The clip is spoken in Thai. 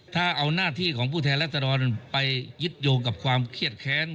ถ้าเอาหน้าที่ของผู้แทนรัศดรไปยึดโยงกับความเครียดแค้น